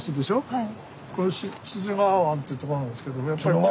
はい。